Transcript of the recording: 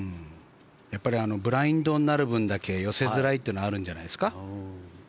やっぱりブラインドになる分だけ寄せづらいっていうのはあるんじゃないですか。